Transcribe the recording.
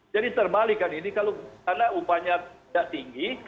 jadi terbalik kan ini karena upahnya tidak tinggi